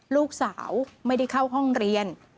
ลูกสาวไม่ได้เข้าห้องเรียน